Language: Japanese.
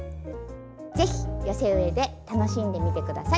是非寄せ植えで楽しんでみて下さい。